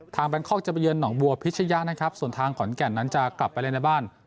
แบงคอกจะไปเยือนหนองบัวพิชยะนะครับส่วนทางขอนแก่นนั้นจะกลับไปเล่นในบ้าน